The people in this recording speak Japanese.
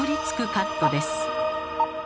カットです。